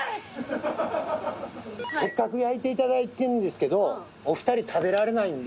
せっかく焼いていただいてるんですけどお二人食べられないんで。